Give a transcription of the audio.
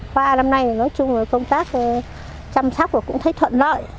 hoa năm nay nói chung công tác chăm sóc cũng thấy thuận lợi